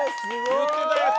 言ってたやつ！